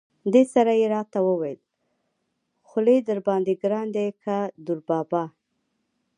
دې سره یې را ته وویل: خولي درباندې ګران دی که دوربابا.